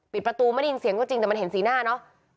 ประตูไม่ได้ยินเสียงก็จริงแต่มันเห็นสีหน้าเนอะ